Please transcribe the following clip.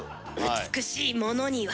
美しいものには。